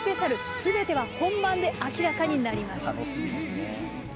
すべては本番で明らかになります。